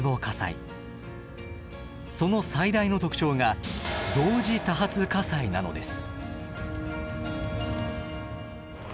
その最大の特徴が同時多発火災なのです。